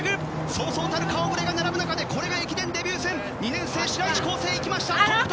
そうそうたる顔ぶれが並ぶ中これが駅伝デビュー戦２年生の白石光星が行きました！